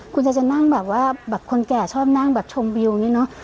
คุณจะนั่งแบบว่าแบบคนแก่ชอบนั่งแบบชมวิวอย่างนี้เนอะ